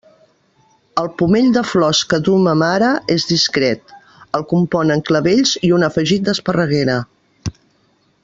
El pomell de flors que duu ma mare és discret; el componen clavells i un afegit d'esparreguera.